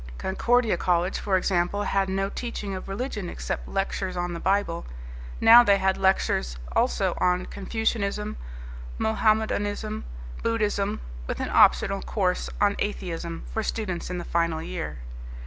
Concordia College, for example, had no teaching of religion except lectures on the Bible. Now they had lectures also on Confucianism, Mohammedanism Buddhism, with an optional course on atheism for students in the final year.